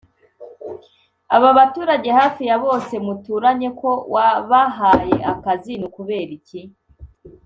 Aba baturage hafi ya bose muturanye ko wabahaye akazi ni ukubera iki